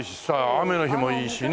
雨の日もいいしね。